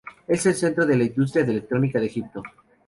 Es el centro de la industria de electrónica de Egipto.